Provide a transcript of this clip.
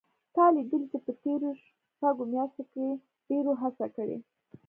تا لیدلي چې په تېرو شپږو میاشتو کې ډېرو هڅه کړې